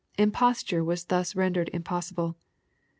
Imposture was thus rendered impossible.